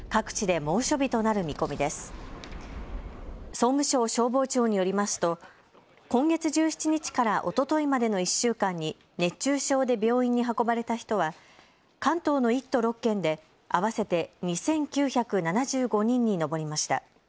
総務省消防庁によりますと今月１７日からおとといまでの１週間に熱中症で病院に運ばれた人は関東の１都６県で合わせて２９７５人に上りました。